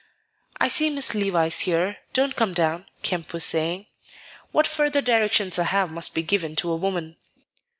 "I see Miss Levice here; don't come down," Kemp was saying. "What further directions I have must be given to a woman."